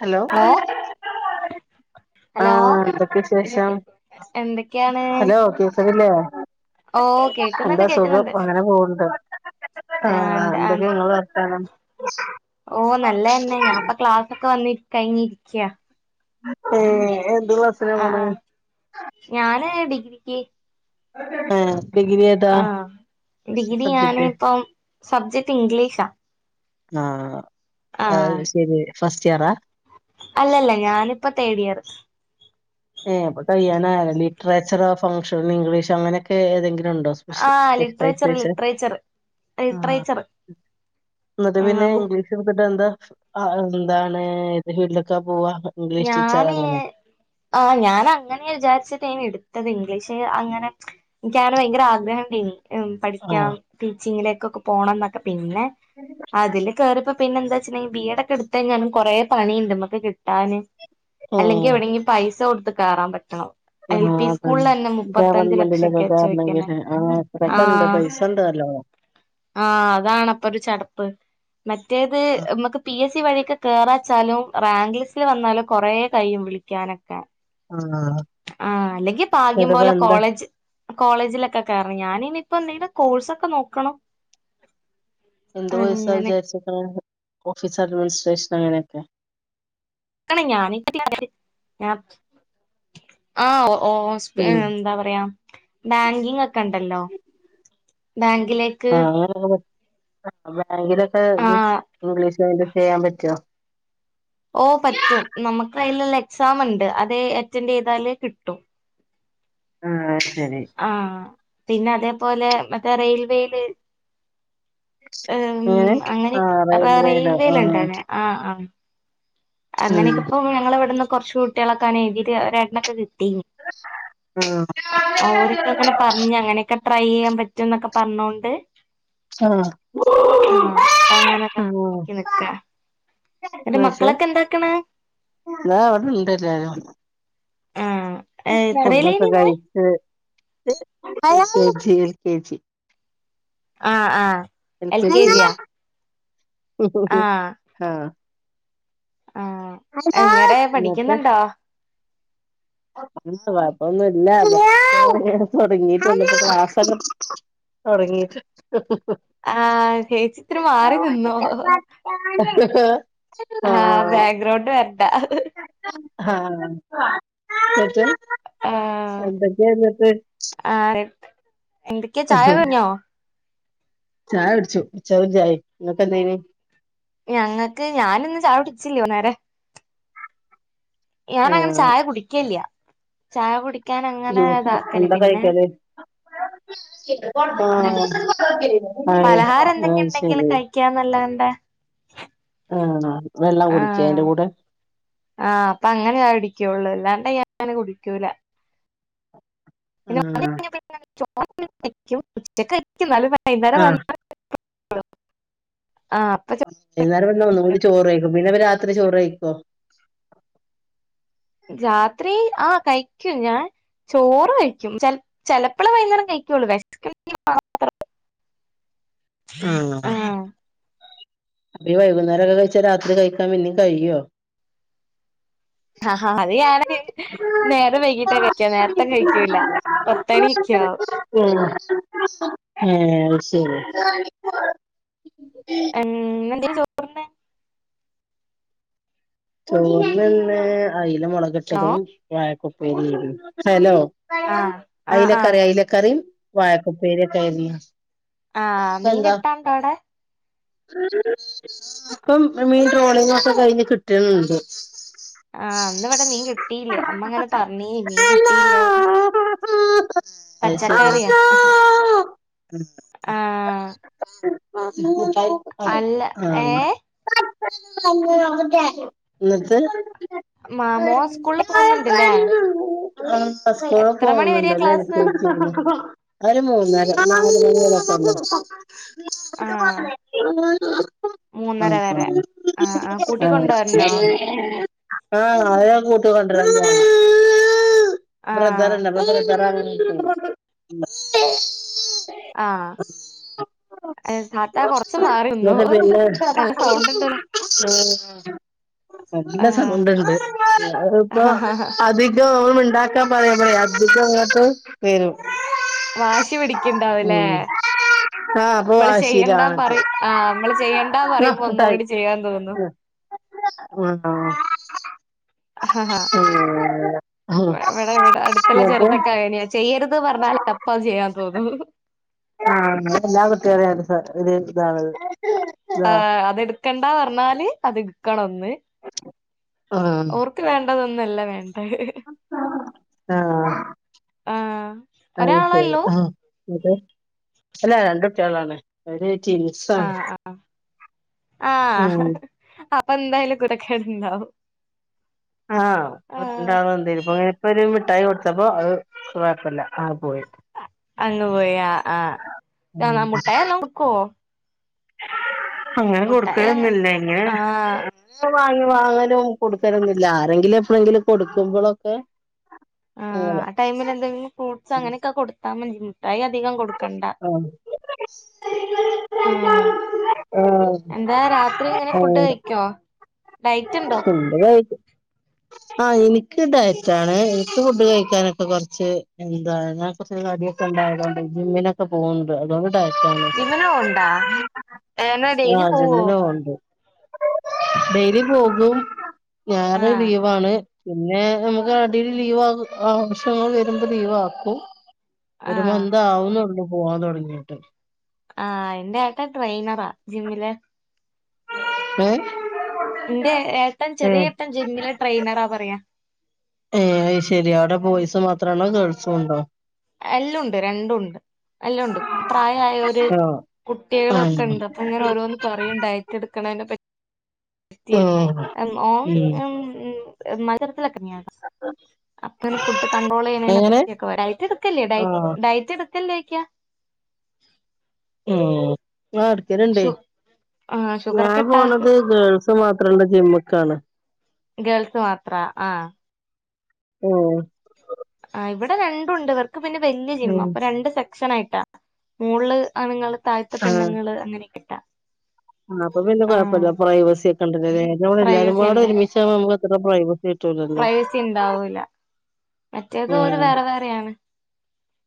Hello? Hello ആഹ് എന്തൊക്കെ വിശേഷം എന്തൊക്കെയാണ് ഹലോ കേക്കിന്നില്ലേ? ഓ കേക്കുന്നുണ്ട് എന്താ സുഖം കേക്കുന്നുണ്ട് അങ്ങനെ പോണ് ണ്ട് ആ ആഹ് എന്താ എന്തക്കെയങ്ങളെ വർത്താനം? ഓ നല്ലന്നെ ഞാപ്പ ക്ലാസക്കെ വന്നി കഴിഞ്ഞിരിക്കാ. ഏഹ് എന്തു ക്ലാസ്സ്? ആഹ് ആഹ് ഞാന് ഡിഗ്രിക്ക്. ഏഹ് ഡിഗ്രി ഏതാ ആഹ് ഡിഗ്രി സബ്ജക്ട് ഞാനിപ്പം സബ്ജക്ട് ഇംഗ്ലീഷാ. ആഹ് ആ അത് ശെരി ഫസ്റ്റ് ഇയറാ? അല്ലല്ല ഞാനിപ്പ തേടിയറ്. ഏ അപ്പൊ കഴിനായല്ല ലിറ്റ്റേച്ചറോഫ് ഫംഗ്ഷണിഗ്ലീഷ് അങ്ങനെക്കെ ഏതെങ്കിലുണ്ടോ സ്പെഷ് ആ ലിറ്ററേച്ചർ സ്പെഷ്യലൈസേഷൻ ലിറ്ററേച്ചർ ആ ലിറ്ററേച്ചർ ഇന്ന്ട്ട് പിന്നെ ഇംഗ്ലീഷ്ട്ത്ത്ട്ട് എന്താ ആ എന്താണ് ഏത് ഫീൽഡിലെക്കാ പോവാ ഇംഗ്ലീഷ് ടീച്ചർ ഞാന് അങ്ങനെ ആ ഞാനങ്ങനേ വിചാരിച്ചിട്ടേനി ഇട്ത്തത് ഇംഗ്ലീഷ് അങ്ങനെ ഇൻക്കാനെ ഭയങ്കര ആഗ്രഹണ്ടെയ്ന് ഉം പഠിക്കാം ആഹ് ടീച്ചിങ്ങിലേക്കൊക്കെ പോണന്നൊക്കെ പിന്നെ അതില് കേറിയപ്പോ പിന്നെന്താച്ച്ണെങ്കി ബീ എഡ് ഒക്കെ എടുത്തെയ്ഞ്ഞാലും കൊറേ പണിണ്ട് മ്മക്ക് കിട്ടാന് അല്ലെങ്കി ആഹ് എവിടെങ്കി പൈസൊടുത്ത് കേറാം പറ്റണം എൽ ആഹ് പി അതന്നെ സ്കൾലെന്നെ മുപ്പത്തഞ്ച് ഗവൺമെന്റിലൊക്കെ ലക്ഷൊക്കെ ചോയ്ക്ക്ന്നെ കേറണെങ്കില് ആഹ് അത്രൊക്കെ ഉണ്ട് ആഹ് പൈസ ഉണ്ട് നല്ലോണം ആഹ് അതാണപ്പൊരു ചടപ്പ് മറ്റേത് മ്മക്ക് പി എസ് സി വഴിയെക്കെ കേറാച്ചാലും റാങ്ക് ലിസ്റ്റില് വന്നാല് കൊറേ കയ്യും വിളിക്കാനൊക്കെ ആഹ് ആഹ് അല്ലെങ്കി പാഗ്യം ചിലപ്പോ പോലെ എന്താ കോളേജ് കോളേജിലെക്കെ കേറണം ഞാന് നിപ്പന്തെങ്കിലും കോഴ്സ് ഒക്കെ നോക്കണം എന്ത് കോഴ്‌സാ അങ്ങനെ വിചാര്ച്ച്ക്ണ്. ഓഫീസ് അഡ്മിനിസ്ട്രേഷൻ അങ്ങനൊക്കെ [unintelligible] ഉം സ്പേന്താ പറയാ ബാങ്കിംഗ് ഒക്കെണ്ടല്ലോ ബാങ്കിലേ ആഹ് അങ്ങനെ [inaudible] ബാങ്കിലൊക്കെ ആഹ് ഇംഗ്ലീഷ് ചെയ്യാൻ പറ്റ് വോ ഓ പറ്റും. നമ്മക്കയില്ള്ള എക്സാമ്ണ്ട് അത് അറ്റൻ്റെയ്താല് കിട്ടും ആഹ് ശെരി ആഹ് പിന്നെ അതേപോലെ മറ്റേ റെയിൽവേല് ഉം എങ്ങനെ അങ്ങനെക്കെ ആഹ് അപ്പ റെയിൽവേലോ ആഹ് റെയിൽവേല്ണ്ടാന് ആഹ് ആ അങ്ങനെക്കെപ്പോ ഞങ്ങള്‌വ്ട്ന്ന് കൊർച്ചുട്ട്യാളൊക്കാനെ എഴ്തീട്ട് ഒരേട്ടനൊക്കെ കിട്ടീന്ന് [inaudible] ട്രൈയെയ്യാം പറ്റുന്നൊക്കൊ പർണോണ്ട് ആഹ് ആഹ് അപ്പ അങ്ങനൊക്കെ നോക്കി നിക്കാ എന്റെ മക്ക ക്കളൊക്കെ എന്താക്ക്ണ് ഇതാ ഇവ്ടെണ്ടെല്ലാരും ആഹ് ഫുഡൊക്കെ എത്രയിലേനി മോൻ കഴിച്ച് K G L K G ആഹ് ആഹ് എൽ കെ ജിയാ ആഹ് ആഹ് ആഹ് എങ്ങനെ ഇന്ന്ട്ട് പഠിക്കുന്നുണ്ടോ കൊഴപ്പൊന്നുല്ല തൊടങ്ങീട്ട് ക്ലാസൊക്കെ തൊടങ്ങീ ആഹ് ചേച്ചിത്തിരി മാറി നിന്നോ ആഹ് ആഹ് ബാക്ക്ഗ്രൗണ്ട് വരണ്ട ആഹ് ഇന്ന്ട്ട് ആഹ് എന്തെക്കെന്ന്ട്ട് ആഹ് എന്തെക്കെ ചായ കഴിഞ്ഞോ ചായുടിച്ചു മിച്ചറും ചായിം ഇങ്ങക്കെന്തെയെന്ന് ഞങ്ങക്ക് ഞാനിന്ന് ചായകുടിച്ചില്ല്യ നേരെ യാനങ്ങനെ ആഹ് ചായ കുടിക്കെല്ല്യ ചായ കുടി ജ്യൂസ്ന് എന്താ കഴിക്കല് ആ ആഹ് പലഹാരം എന്തെങ്കിലും ഉണ്ടെങ്കിൽ അയ്ശെരി കഴിക്കാന്നല്ലാണ്ട് ആഹ് വെള്ളം കുടിക്കേ ആഹ് അയിന്റെ കൂടെ ആഹ് അപ്പ അങ്ങനെ ചായ കുടിക്കൊള്ളു വെള്ള ഞാന് കുടിക്കൂല ആഹ് ചോറെന്നെ വെക്കും ഉച്ചക്കയിക്കും ഇന്നാലും വൈന്നേരം ആഹ് വന്ന [unintelligible] ആഹ് അപ്പ വൈന്നാരം വന്നാ ഒന്നും കൂടി ചോറ് വെയ്ക്കും പിന്നെ ഇവര് രാത്രി ചോറ് കയ്ക്കോ രാത്രി ആഹ് കഴിക്കും ഞാൻ ചോറ് കഴിക്കും ച ചിലപ്പോള വൈകുന്നേരം കഴിക്കുള്ളൂ വിശക്കുണ്ടാകിൽ മാത്രം ആഹ് അപ്പ ഈ വൈകുന്നേരംക്കെ കഴിച്ചാ രാത്രി കഴിക്കാൻ പിന്നേ കഴിയോ ആഹാ അത് ഞാണ് നേരെ വൈകിട്ടാ കഴിക്കാ നേരത്തെ കഴിക്കൂല പത്തണിക്കവും ഏഹ് ആഹ് സെരി ഉം ഇന്ന് എന്തേ ചോറിന് ചോർന്ന് ഇന്ന് അയില ഹലോ മുളകിട്ടതും വായക്കൊപെരിർന്നു ഹലോ ആഹ് ആഹ് ആഹ് അയിലക്കറി അയിലക്കറിയും വായക്കപ്പെരിക്കെർന്നു ആഹ് മീൻ കിട്ടാണ്ടോവടെ? ഇപ്പം മീൻ ടോളൊക്കെ കഴിഞ്ഞ് കിട്ട് ട്ട് ണ്ട് ആഹ് ന്ന് ഇവിടെ മീൻ കിട്ടിയില അമ്മ ഇങ്ങനെ പറഞ്നി മീൻ കിട്ടിയില്ലന്ന് അഹ് ശെരി ആഹ് [unintelligible] അല്ല ആഹ് ഏഹ് [unintelligible] ഇന്നിട്ട് മാമോ സ്കൂളിൽ പോകുന്നുണ്ട്ല്ലേ ബസകോള എത്ര മണി വരെയാ പോവുന്നുണ്ടല്ലേ ക്ലാസ് എനിക്ക് ഒരു മൂന്നരം നാല് മണി വരൊക്കെ [unintelligible] ആഹ് ആഹ മൂന്നര വരെ ആഹ് ആഹ് കൂട്ടിക്കൊണ്ടുവരണോ ആഹ അ ഞൻ കൂട്ടൊണ്ടിര ആഹ് ബ്രദർണ്ട ബ്രദറാണ് ആഹ് താത്ത കൊറച്ച് [unintelligible] മാറി നിന്നോ എന്നിട്ട് പിന്നെ ആ നല്ല സൗണ്ട് ഉണ്ടല്ലോ [unintelligible] നല്ല ആഹ് സൗണ്ട് ണ്ട് അഹ് ഇപ്പൊ അത് ഇന്റെ ഓൻ മിണ്ടക്ക പറയുമ്പോലെ അടുത്തുക് അങ്ങട്ട് വരും [unintelligible] വാശി പിടിക്കണ്ടാവുല്ലേ? ഉം ആഹ് അപ്പൊ നമ്മള് ചെയ്യണ്ടാ വാശിയിലാണിപ്പോ പറ ആഹ് നമ്മൾ ചെയ്യണ്ടാ ന്നാ പറയുമ്പോ ഒന്നും കൂടി ചെയ്യാൻ തോന്നും ആ ആഹ് [unintelligible] ഇവടെ ഇവടെ അടുത്തുള്ള എന്നിട്ട് ചെറുതൊക്കെ അങ്ങനെയാ ചെയ്യരുത് പറഞ്ഞാല് അപ്പത് ചെയ്യാൻ തോന്നും ആഹ് അ എല്ലാം കുട്ടിയോളി ഒരു ഇതാണത് [unintelligible] ആഹ് അതെടുക്കണ്ട പറഞ്ഞാല് അത്ടുക്കണംന്നു ആഹ് ക്ക് വേണ്ടതൊന്നല്ല വേണ്ട ആഹ് ആഹ് ഒരാളെള്ളു? അതെ അല്ല രണ്ട്ട്ട്ടിയാളാണ് അവര് [unintelligible] ആഹ് ആഹ ആഹ് ഉം അപ്പൊ എന്തായാലും കുരുത്തക്കട് ഇണ്ടാവും. ആഹ് രണ്ടാള എന്തപ്പ അങ്ങനെ ഇപ്പ ഒരു മിഠായി കൊടുത്തപ്പോ അത് കോയപ്പല്ല ആ പോയി അങ്ങ് പോയി ആഹ് മുട്ടായി നല്ലോം കൊടുക്കുവോ? അങ്ങനെ മുട്ടായി അങ്ങ് കൊടുക്കലൊന്നില്ല ഇങ്ങനെ ആഹ് പ്പോ വാങ്ങി വാങ്ങലും കൊടുക്കലൊന്നുല്ല ആരെങ്കിലും എപ്പോഴെങ്കിലും കൊടുക്കുമ്പോഴൊക്കെ ആഹ് അങ്ങനെ ആ ടൈമിൽ എന്തെിലും ഫ്രൂ്സ് അങ്ങനെയൊക്കെ കൊടുത്താ മതി മുട്ടായി അധികം കൊടു ആഹ് ആഹ് ആഹ് എന്താ രാത്രി ഇങ്ങനെ ഫുഡ് ആഹ് കഴിക് ക്കൊ ഡയിറ്റ് ഉണ്ടോ? [unintelligible] ആഹ് ഇനിക്ക് ഡയറ്റാണ് ഇനിക്ക് ഫുഡ് കഴിക്കാനൊക്കെ കുറച്ച് എന്താ ഞാ ഇപ്പ ഇത്തിരി തടിയൊക്കെ ഇണ്ടായതോണ്ട് ജിമ്മിനൊക്കെ പോന്ന്ണ്ട് അതുകൊണ്ട് ജിമ്മിന് പോവ്ണ്ടോ [unintelligible] ഏന ഡെയിലി ആഹ് പോവോ ജിമ്മിന് പോന്ന്ണ്ട്. ഡെയ്ലി പോകും ഞായറ് ആഹ് ലീവാണ് പിന്നെ നമുക്ക് അടിയിൽ ലീവാകു ആവശ്യങ്ങൾ വരുമ്പോ ലീവാക്കും ഒരു ആഹ് മന്താവുന്നുള്ളു പോവാൻ തൊടങ്ങിയിട്ട് ആഹ് ഇന്റെ ഏട്ടൻ ട്രെയിനറാ ജിമ്മിലെ ഏഹ് ഇന്റെ ഏട്ടൻ ചെറിയ ഏഹ് ഏട്ടൻ ജിമ്മിലെ ട്രെയിനറാ പറയാ ഏഹ് അയ് ശരി അവിടെ ബോയ്സ് മാത്രാണോ ഗേൾസും ഉണ്ടോ എല്ലൊണ്ട് രണ്ടും ഉണ്ട് എല്ലൊ ഉണ്ട് പ്രായായോര് ആഹ് കുട്ടികളൊക്കെ ആഹ് ഉണ്ട് അപ്പൊ ഇങ്ങനെ ഓരോന്ന് പറയും ഡയറ്റ് എടുക്കണെ പറ്റ് [unintelligible] ആഹ് എം ഓ ഉം [unintelligible] അപ്പൊ ഇങ്ങനെ ഫുഡ് കണ്ട്രോള് ചെയ്യുന്നതിനെ എങ്ങനെ പറ്റിയും ക്കൊരു ഡയറ്റ് എടുക്കല്ലേ ഡ ആഹ് ഡയറ്റ് എടുക്കല്ലേ ചോയിക്കാ ഉം ആഹ് എടുക്കല്ണ്ട് ഷു ആഹ് ഷുഗർ ഞാൻ കട്ടാ പോണത് ഗേൾസ് സ് മാത്രള്ള ജിമ്മ്ക്കാണ് ഗേൾസ് മാത്രാ ആഹ് ഉം ആ ഇവിടെ രണ്ടു ഉണ്ട് ഇവർക്ക് പിന്നെ വെല്യ ജിമ്മാ ഉം അപ്പ രണ്ട് സെക്ഷനായിട്ടാ മോളില് ആണുങ്ങള് താഴത്ത് ആഹ് പെണ്ണ്ങ്ങള് അങ്ങനെ ആക്കീട്ടാ ആഹ് അപ്പ പിന്നെ കൊഴപ്പയില്ല പ്രൈവസി ഒക്കെണ്ടല്ലോ ല്ലേ ഇതു നമ്മള് പ്രൈവസി എല്ലാരുംപാട് ഉണ്ട് ഒരുമിച്ചാവുമ്പം നമ്മക്കത്ര പ്രൈവസി കിട്ടൂലല്ലോ പ്രൈവസി ഇണ്ടാവൂല മറ്റേത് ഓര് ഉം വേറെ വേറെയാണ്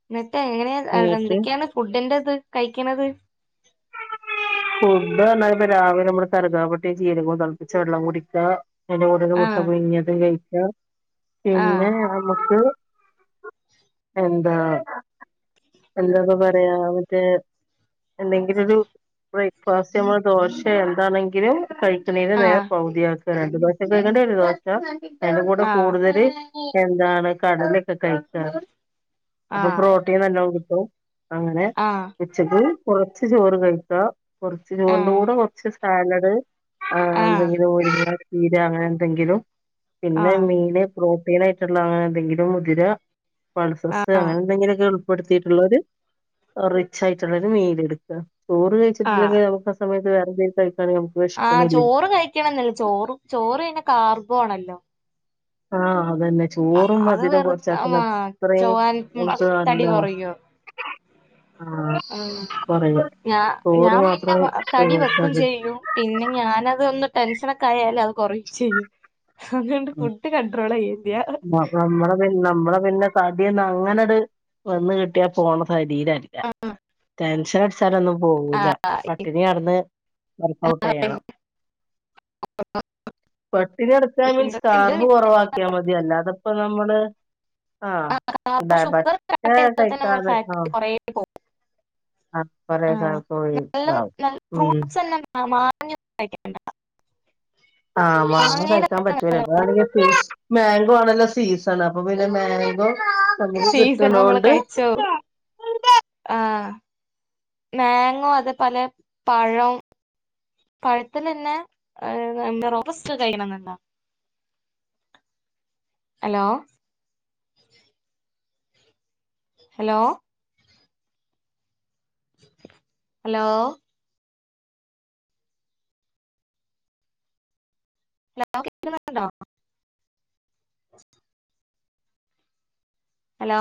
ഇന്നിട്ട് എങ്ങനെയാ എന്നിട്ട് എന്തൊക്കെയാണ് ഫുഡിന്റെത് കഴിക്കണത് ഫുഡ് പറഞ്ഞാല് ഇപ്പ രാവിലെ നമ്മള് കറുകാ പട്ടയും ജീരകവും തെളപ്പിച്ച വെള്ളം കുടിക്കാ അതിന്റെ കൂടെ ഒരു ആ മുട്ട പുഴുങ്ങിയതും കഴിക്കാ ആ പിന്നെ നമ്മക്ക് എന്താ എന്താപ്പ പറയാ മറ്റേ എന്തെങ്കിലൊരു ബ്രേക്ക്ഫാസ്റ്റ് നമ്മൾ ദോശെ എന്താണെങ്കിലും കഴിക്കണേൻ്റെ ആ നേർ പകുതിയാ രണ്ടു ദോശ കഴിക്കണ്ടേ ഒരു ദോശ അയിന്റെ കൂടെ ആ കൂടുതല് എന്താണ് കടലൊക്കെ കഴിക്കാറ് ആ അപ്പൊ പ്രോട്ടീൻ നല്ലോക്കിട്ടും അങ്ങനെ ആ ആ ഉച്ചക്ക് കൊറച്ച് ചോറ് കഴിക്കാ കൊറച്ച് ആ ചോറിന്റെ കൂടെ കൊറച്ച് സാലഡ് ആഹ് എന്തെങ്കിലും മുരിങ്ങാ ചീര അങ്ങനെ എന്തെങ്കിലും ആ പിന്നെ മീന് പ്രോട്ടീനായിട്ടുള്ള എന്തെങ്കിലും മുതിര പൾസസ്സ് ആ അങ്ങനെ എന്തെങ്കിലൊക്കൊള്ളു പെടുത്തിട്ടുള്ളോരു റിച്ച് ആയിട്ടുള്ള ഒരു മീൽ എടുക്കാ ചോറ് ആ കഴിച്ചിട്ടില്ലെങ്കിൽ നമ്മക്ക് സമയത്ത് വേറെന്തെ കഴി ആഹ് ചോറ് കഴിക്കണന്നില്ല ചോറ് ചോറ്പിന്നേ കാർബോ ആണല്ലോ ആഹ് അതന്നെ അ- ചോറും അത് മധുരം വെറു കൊറച്ചാ തന്നെ ആ അത്രയും ചൊവ്വാൻ [unintelligible] തടി നല്ലതാ ആഹ് ഉം കൊറയും ഞാ ചോറ് ഞാൻ പിന്നെ മാത്രം തടി വെക്കും ഒഴിവാക്കാതെ ചെയ്യും പിന്നെ ഞാനത് ഒന്ന് ടെൻഷനൊക്കെ ആയാല് അത് കൊറയും ചെയ്യും അതുകൊണ്ട് ഫുഡ് കണ്ട്രോള് ചെയ്യില്ല ന നമ്മളെ പിന്നെ നമ്മളെ പിന്നെ തടിയൊന്നും അങ്ങനെട് വന്ന് കിട്ടിയാ പോണ ശരീരല്ല ടെൻഷൻ അടിച്ചാലൊന്നും പോവൂല്ല പട്ടിണി കെടന്ന് വർക്ക്ഔട്ട് ചെയ്യണം പട്ടിണി കെടക്കാ മീൻസ് ഇണ്ട് കാർബ് കൊറവാക്കിയാ മതി അല്ലാതപ്പ നമ്മള് ആഹ് ഡയബറ്റ് ഷുഗർ കട്ട് റ്റെ ചെയ്താൽ തന്നെ നമ്മുടെ കഴിക്കാതെ ആഹ് [unintelligible] ആഹ് [unintelligible] ഇതാവും ഉം ആഹ് [unintelligible] കഴിക്കണ്ട ആഹ് മാങ്ങ മാങ്ങയിലെ കഴിക്കാൻ പറ്റൂല ഇപ് അണെങ്ക മാങ്കോ ആണല്ലോ സീസൺ അപ്പൊ പിന്നെ മാങ്കോ നമുക്ക് സീസണ നമ്മള് കിട്ടണോണ്ട് കഴിച്ചോം ആഹ് മങ്കോ അത് പോലെ പഴം. പഴത്തിനന്നെ റോബസ്റ്റ് കഴിക്കണന്നുണ്ടോ? Hello. Hello. Hello. Hello K [unintelligible] hello.